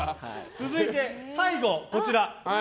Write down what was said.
続いて、最後こちら。